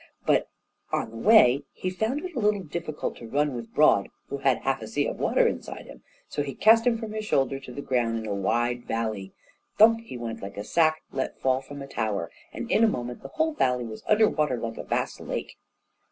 But on the way he found it a little difficult to run with Broad, who had half a sea of water inside him, so he cast him from his shoulder on to the ground in a wide valley. Thump he went like a sack let fall from a tower, and in a moment the whole valley was under water like a vast lake.